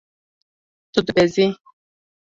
Tu dibezî.